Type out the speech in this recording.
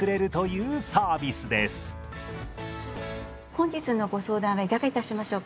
本日のご相談はいかがいたしましょうか？